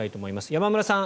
山村さん